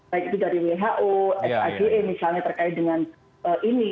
baik itu dari who sage misalnya terkait dengan ini